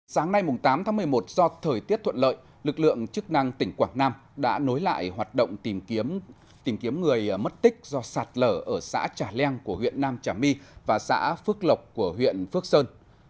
sáng nay tám tháng một mươi một do thời tiết thuận lợi lực lượng chức năng tỉnh quảng nam đã nối lại hoạt động tìm kiếm người mất tích do sạt lở ở xã trà leng của huyện nam trà my và xã phước lộc của huyện phước sơn